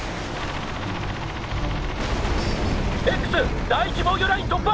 「Ｘ第１防御ライン突破！